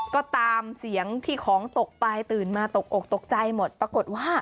ก็ตามเสียงที่ของตกไปตื่นมาตกอกตกใจหมดปรากฏว่า